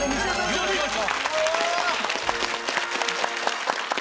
よしよし！